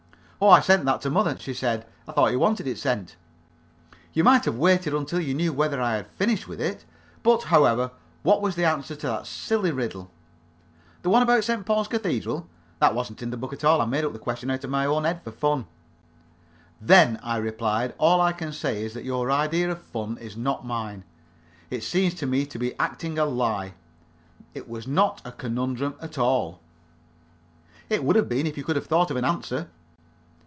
"Oh, I sent that to mother!" she said. "I thought you wanted it sent." "You might have waited until you knew whether I had finished with it. But, however, what was the answer to that silly riddle?" "The one about St. Paul's Cathedral? That wasn't in the book at all. I made up the question out of my own head for fun." "Then," I replied, "all I can say is, that your idea of fun is not mine. It seems to me to be acting a lie. It was not a conundrum at all." "It would have been if you could have thought of an answer."